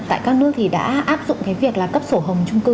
tại các nước thì đã áp dụng cái việc là cấp sổ hồng trung cư